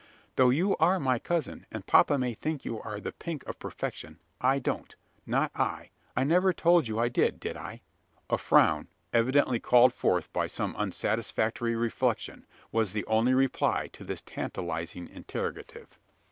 "Though you are my cousin, and papa may think you the pink of perfection, I don't not I! I never told you I did did I?" A frown, evidently called forth by some unsatisfactory reflection, was the only reply to this tantalising interrogative.